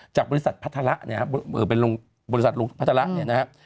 จากบริษัทพัฒระเนี่ยบริษัทพัฒระเนี่ยนะฮะ